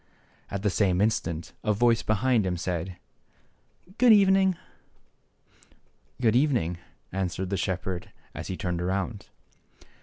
And at the same instant a voice behind him said " Good evening !"" Good evening !" answered the shepherd, as he turned around.